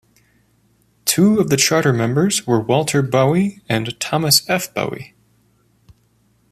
Two of the charter members were Walter Bowie and Thomas F Bowie.